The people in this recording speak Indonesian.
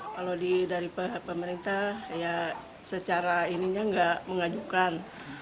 kalau dari pemerintah ya secara ininya nggak mengajukan